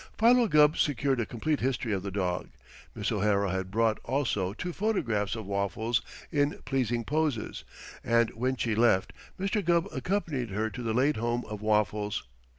Philo Gubb secured a complete history of the dog. Miss O'Hara had brought, also, two photographs of Waffles in pleasing poses, and when she left, Mr. Gubb accompanied her to the late home of Waffles.